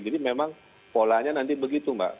jadi memang polanya nanti begitu mbak